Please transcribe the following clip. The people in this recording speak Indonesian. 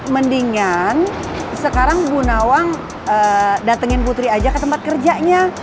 mendingan sekarang bu nawang datangin putri aja ke tempat kerjanya